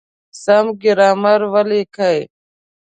سم ګرامر وليکئ!.